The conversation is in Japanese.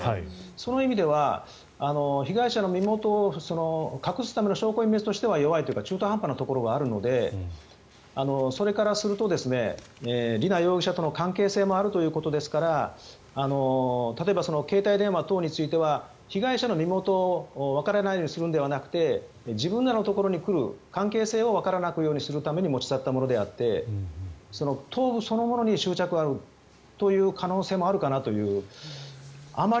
その意味では被害者の身元を隠すための証拠隠滅としては弱いというか中途半端なところがあるのでそれからすると瑠奈容疑者との関係性もあるということですから例えば、携帯電話等については被害者の身元をわからないようにするのではなくて自分らのところに来る関係性をわからなくするために持ち去ったものであって頭部そのものに執着がある可能性もあるかなという。